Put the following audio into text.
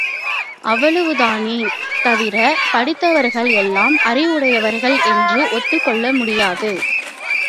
அவ்வளவு தானே தவிரப் படித்தவர்கள் எல்லாம் அறிவுடையவர்கள் என்று ஒத்துக் கொள்ள முடியாது.